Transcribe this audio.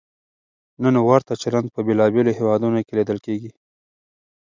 نن ورته چلند په بېلابېلو هېوادونو کې لیدل کېږي.